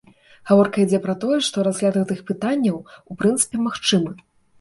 Гаворка ідзе пра тое, што разгляд гэтых пытанняў у прынцыпе магчымы.